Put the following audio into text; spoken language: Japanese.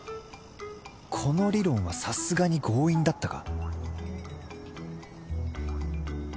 この理論はさすがに強引だったか？